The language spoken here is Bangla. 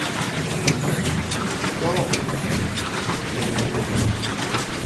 তিনি একাধারে একজন লেখক, ঔপন্যাসিক, দার্শনিক, ধর্মতাত্ত্বিক, চিকিৎসক, উজির ও দরবারের কর্মকর্তা ছিলেন।